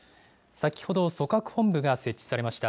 先ほど、組閣本部が設置されました。